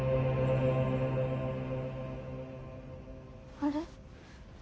あれ？